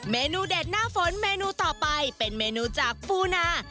เมนูเด็ดหน้าฝนเมนูต่อไปเป็นเมนูจากปูนา